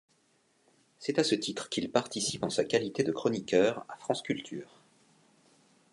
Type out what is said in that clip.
C'est à ce titre qu'il participe en sa qualité de chroniqueur à France Culture.